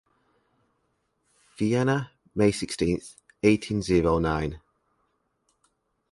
Vienna, May sixteenth eighteen zero nine.